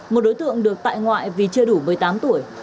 một đối tượng được tại ngoại vì chưa đủ một mươi tám tuổi